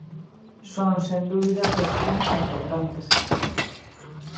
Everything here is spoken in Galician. Son sen dúbida cuestións importantes.